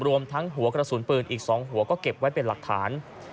รวมทั้งหัวกระสุนปืนอีก๒หัวก็เก็บไว้เป็นหลักฐาน